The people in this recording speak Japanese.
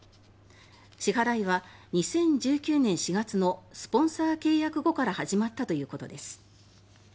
支払いは２０１９年４月のスポンサー契約後から始まったということです。